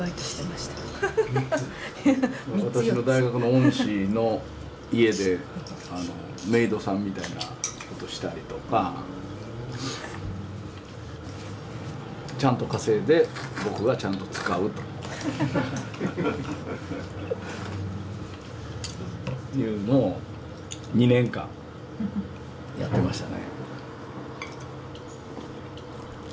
私の大学の恩師の家でメイドさんみたいなことしたりとか。というのを２年間やってましたね。